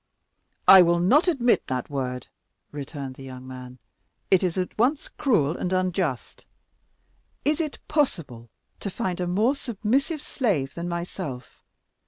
"I will not admit that word," returned the young man; "it is at once cruel and unjust. Is it possible to find a more submissive slave than myself?